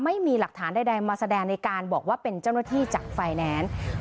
ไม่มีหลักฐานใดมาแสดงในการบอกว่าเป็นเจ้าหน้าที่จากไฟแนนซ์